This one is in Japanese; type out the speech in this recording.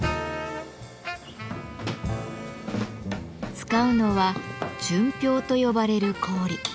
使うのは「純氷」と呼ばれる氷。